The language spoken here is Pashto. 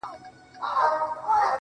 o اوس د چا پر پلونو پل نږدم بېرېږم.